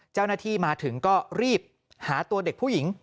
เจ้าหน้าที่มาถึงก็รีบหาตัวเด็กผู้หญิง